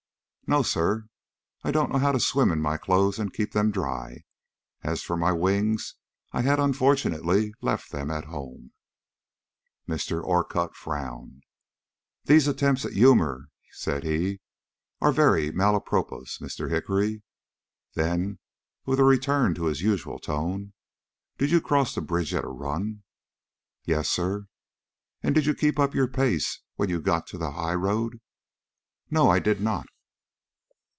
"No, sir. I don't know how to swim in my clothes and keep them dry, and as for my wings, I had unfortunately left them at home." Mr. Orcutt frowned. "These attempts at humor," said he, "are very mal à propos, Mr. Hickory." Then, with a return to his usual tone: "Did you cross the bridge at a run?" "Yes, sir." "And did you keep up your pace when you got to the highroad?" "No, I did not."